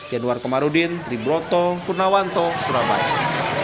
yanuar komarudin triburoto purnawanto surabaya